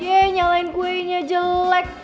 yee nyalain kuenya jelek